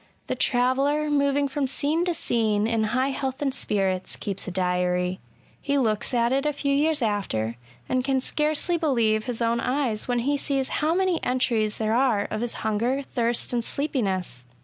The traveller, moving from scene to scene in high health and spirits, keeps a diary ; he looks at it a few years after, and can scarcely believe his own eyes when he sees how many entries there are of his* hunger, thirst, and sleepiness.